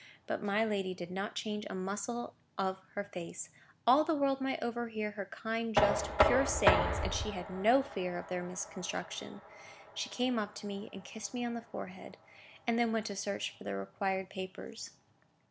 But my lady did not change a muscle of her face. All the world might overhear her kind, just, pure sayings, and she had no fear of their misconstruction. She came up to me, and kissed me on the forehead, and then went to search for the required papers.